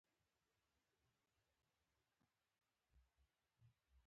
د قانون د تطبیق له لارې دا دود له منځه وړل کيږي.